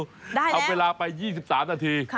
ได้แล้วทำเวลาไป๒๓นาที